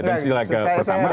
dan sila ke pertama